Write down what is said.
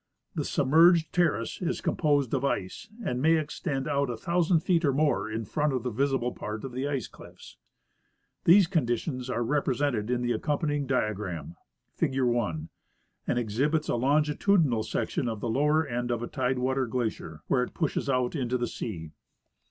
The submerged terrace is composed of ice, and may extend out a thousand feet or more in front of the visible part of the ice cliffs. These conditions are represented in the accompanying diagram (figure 1), which exhibits a longitudinal section of the lower end of a tide water glacier where it pushes out into the sea.